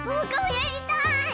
やりたい？